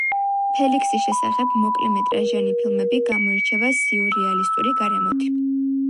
ფელიქსის შესახებ მოკლემეტრაჟიანი ფილმები გამოირჩევა სიურეალისტური გარემოთი.